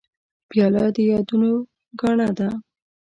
پیاله د یادونو ګاڼه ده.